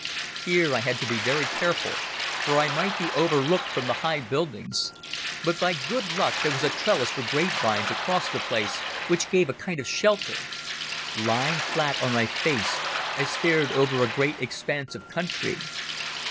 Here I had to be very careful, for I might be overlooked from the high buildings. But by good luck there was a trellis for grape vines across the place, which gave a kind of shelter. Lying flat on my face I stared over a great expanse of country.